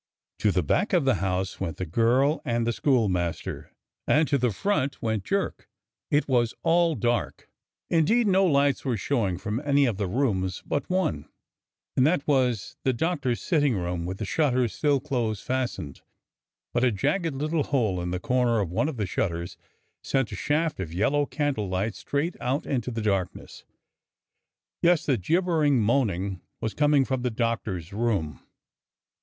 To the back of the house went the girl and the school master, and to the front went Jerk. It was all dark — indeed no lights were showing from any of the rooms but one, and that was the Doctor's sitting room with the shutters still close fastened; but a jagged little hole in the corner of one of the shutters sent a shaft of yellow candlelight straight out into the blackness. Yes, the gibbering moaning was coming from the Doctor's room.